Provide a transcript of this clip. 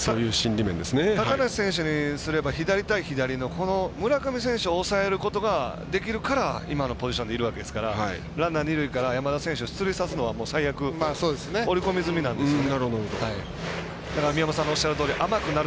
高梨選手にすれば左対左の村上選手を抑えることができるから今のポジションにいるわけですからランナー、二塁から山田選手を出塁させるのは最悪、織り込み済みなんですよね。